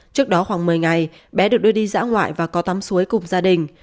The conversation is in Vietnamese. trước đó khoảng một mươi ngày bé được đưa đi dã ngoại và có tắm suối cùng gia đình